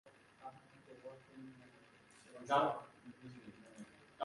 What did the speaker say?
তিনি আমাকে বাধ্য করতেন।